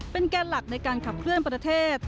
แกนหลักในการขับเคลื่อนประเทศ